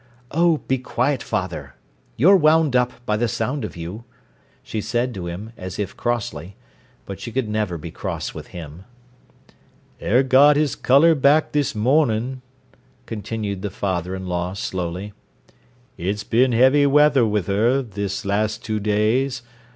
"Oh, be quiet, father. You're wound up, by the sound of you," she said to him, as if crossly. But she could never be cross with him. "'Er's got 'er colour back this mornin'," continued the father in law slowly. "It's bin heavy weather wi' 'er this last two days.